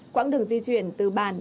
quãng đường di chuyển từ bàn